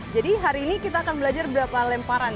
jadi hari ini kita akan belajar bagaimana cara melempar flying disk